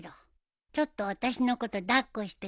ちょっと私のこと抱っこしてくれない？